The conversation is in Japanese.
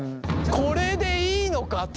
これでいいのかって。